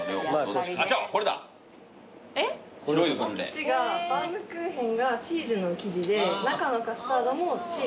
こっちがバウムクーヘンがチーズの生地で中のカスタードもチーズのカスタード。